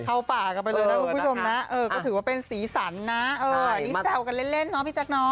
เข้าป่ากันไปเลยนะคุณผู้ชมนะเออก็ถือว่าเป็นสีสันนะเออนี่แซวกันเล่นเนาะพี่แจ๊อ